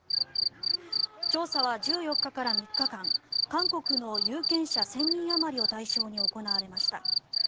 調査は１４日から３日間韓国の有権者１０００人あまりを対象に行われました。